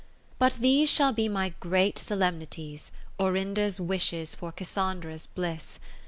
II But these shall be my great Solem nities, Orinda's wishes for Cassandra's bliss.